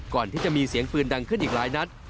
ก่อนที่จะมีเสียงปืนดังขึ้นอีกหลายนัด